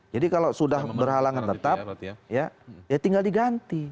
jadi kalau sudah berhalangan tetap ya tinggal diganti